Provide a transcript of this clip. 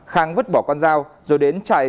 khang vứt bỏ con dao rồi đến trại